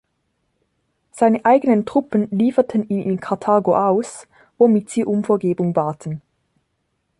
Seine eigenen Truppen lieferten ihn in Karthago aus, womit sie um Vergebung baten.